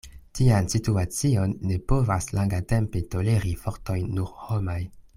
Tian situacion ne povas langatempe toleri fortoj nur homaj.